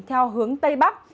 theo hướng tây bắc